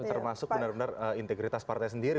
termasuk benar benar integritas partai sendiri